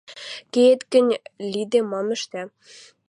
– Кеет гӹнь, лиде мам ӹштӓ...